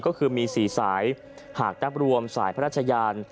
ก็คือมี๔สายหากนับรวมสายพระราชยาน